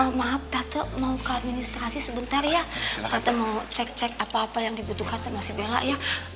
administrasi sebentar ya tante mau cek cek apa apa yang dibutuhkan sama si bella ya makasih kasih